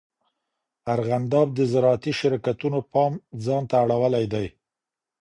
ارغنداب د زراعتي شرکتونو پام ځان ته اړولی دی.